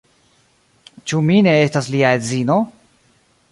Ĉu mi ne estas lia edzino?